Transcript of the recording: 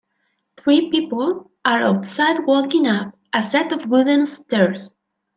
Three people are outside walking up a set of wooden stairs.